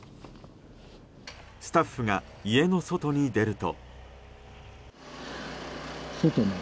スタッフが家の外に出ると。